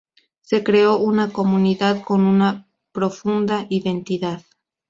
Se creó una comunidad con una profunda identidad.